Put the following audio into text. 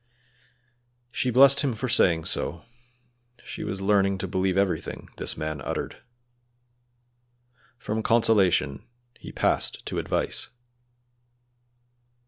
She blessed him for saying so. She was learning to believe everything this man uttered. From consolation he passed to advice.